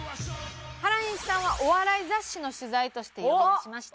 原西さんはお笑い雑誌の取材として呼び出しました。